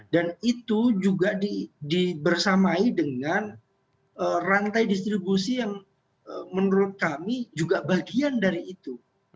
dan itu juga dibersamai dengan rantai distribusi yang menurut kami juga bagian dari itu